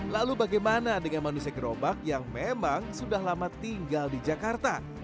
lalu bagaimana dengan manusia gerobak yang memang sudah lama tinggal di jakarta